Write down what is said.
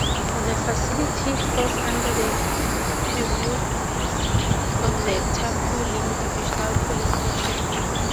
The facility falls under the purview of the Ta Kwu Ling Divisional Police Station.